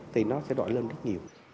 thì nó sẽ đổi lên rất nhiều